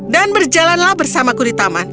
dan berjalanlah bersamaku di taman